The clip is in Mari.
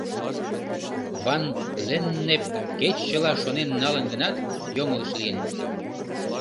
Ван-Леннеп кеч чыла шонен налын гынат, йоҥылыш лийын.